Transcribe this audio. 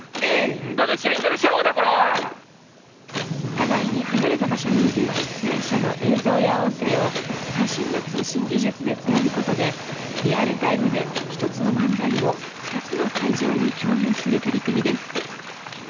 互いに離れた場所にいる出演者の映像や音声を最新の通信技術で伝えることでリアルタイムで１つの漫才を２つの会場に共有する取り組みです。